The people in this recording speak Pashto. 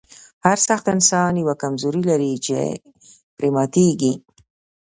هر سخت انسان یوه کمزوري لري چې پرې ماتیږي